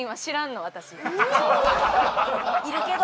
いるけど。